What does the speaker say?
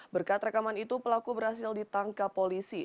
berkat rekaman itu pelaku berhasil ditangkap polisi